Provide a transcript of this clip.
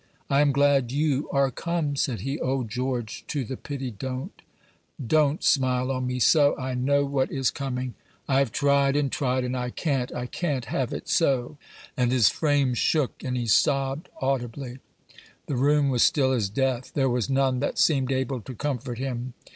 "I am glad you are come," said he. "O George, to the pity, don't! don't smile on me so! I know what is coming; I have tried, and tried, and I can't, I can't have it so;" and his frame shook, and he sobbed audibly. The room was still as death; there was none that seemed able to comfort him.